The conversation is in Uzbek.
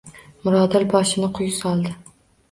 Mirodil boshini quyi soldi